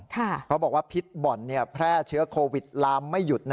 เขาบอกว่าพิษบ่อนแพร่เชื้อโควิดลามไม่หยุด